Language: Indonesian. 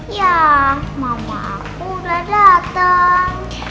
ya mama aku udah datang